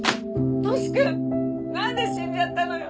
トシ君何で死んじゃったのよ